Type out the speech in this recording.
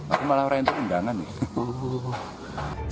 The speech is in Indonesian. aku malah rentuk undangan nih